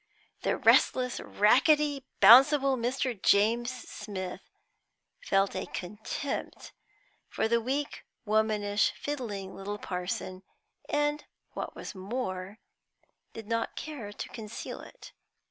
The restless, rackety, bounceable Mr. James Smith felt a contempt for the weak, womanish, fiddling little parson, and, what was more, did not care to conceal it.